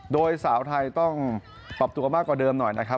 โดยสาวไทยต้องปรับตัวมากกว่าเดิมหน่อยนะครับ